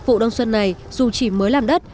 vụ đông xuân này dù chỉ mới làm đất